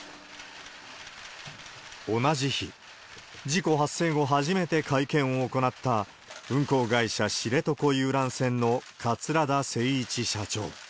同じ日、事故発生後、初めて会見を行った、運航会社、知床遊覧船の桂田精一社長。